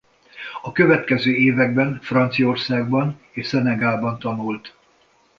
A következő években Franciaországban és Szenegálban tanult.